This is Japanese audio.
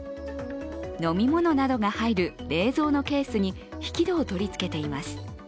飲み物などが入る冷蔵のケースに引き戸を取り付けています。